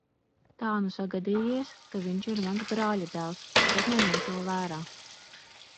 Tā nu sagadījies, ka viņš ir mans brāļadēls, bet neņem to vērā.